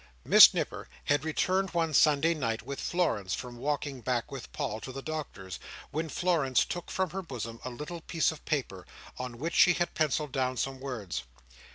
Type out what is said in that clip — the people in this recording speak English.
Miss Nipper had returned one Sunday night with Florence, from walking back with Paul to the Doctor's, when Florence took from her bosom a little piece of paper, on which she had pencilled down some words.